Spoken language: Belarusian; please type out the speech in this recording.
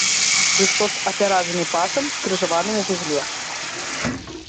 Хрыстос апяразаны пасам, скрыжаваным у вузле.